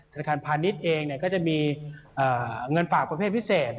ธนาคารพาณิชย์เองก็จะมีเงินฝากประเภทพิเศษ